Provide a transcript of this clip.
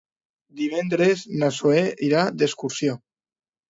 Divendres na Zoè irà d'excursió.